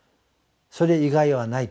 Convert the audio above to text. それ以外はない。